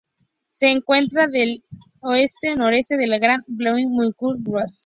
Se encuentra al este-noreste de la gran planicie amurallada de Gauss.